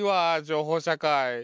情報社会。